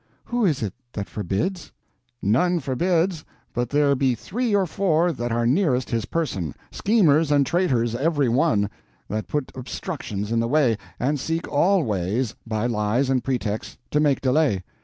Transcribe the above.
"Who is it that forbids?" "None forbids, but there be three or four that are nearest his person—schemers and traitors every one—that put obstructions in the way, and seek all ways, by lies and pretexts, to make delay.